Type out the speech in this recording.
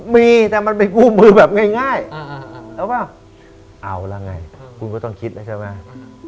มีแต่มันเป็นคู่มือแบบง่ายเอาละไงคุณก็ต้องคิดแล้วใช่ไหม